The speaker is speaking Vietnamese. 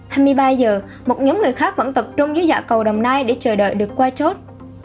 hai mươi ba giờ một nhóm người khác vẫn tập trung dưới dạ cầu đồng nai để chờ đợi được qua chốt